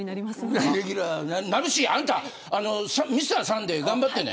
そうなるし、あんたＭｒサンデー頑張ってね。